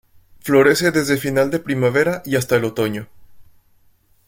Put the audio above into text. Florece desde final de primavera y hasta el otoño.